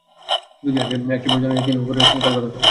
দুই দিন আগে একই প্রযোজনা নিয়ে তিনি ঘুরে এসেছেন কলকাতা থেকে।